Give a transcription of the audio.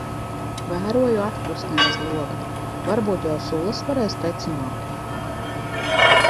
Vēroju atkusni aiz loga. Varbūt jau sulas varēs tecināt... ?